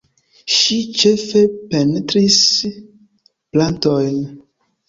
Ŝi ĉefe pentris plantojn.